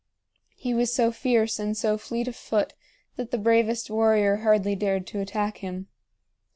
He was so fierce and so fleet of foot that the bravest warrior hardly dared to attack him.